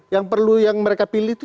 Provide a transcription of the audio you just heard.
yang perlu yang mereka pilih itu